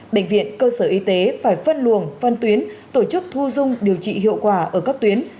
bệnh viện cơ sở y tế phải phân luồng phân tuyến tổ chức thu dung điều trị hiệu quả ở các tuyến